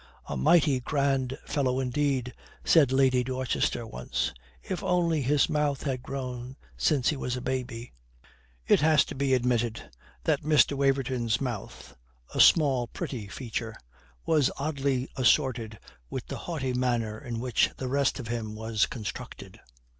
"A mighty grand fellow indeed," said Lady Dorchester once, "if only his mouth had grown since he was a baby." It has to be admitted that Mr. Waverton's mouth, a small, pretty feature, was oddly assorted with the haughty manner in which the rest of him was constructed.